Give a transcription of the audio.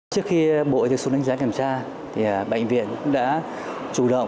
trước khi bộ y tế xuống đánh giá kiểm tra bệnh viện đã chủ động